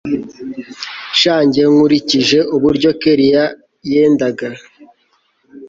sha njye nkurikije uburyo kellia yendaga